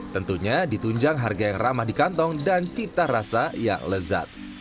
tentunya ditunjang harga yang ramah di kantong dan cita rasa yang lezat